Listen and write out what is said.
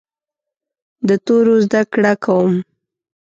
د تورو زده کړه کوم.